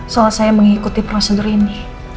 soal saya mengikuti prosedur ini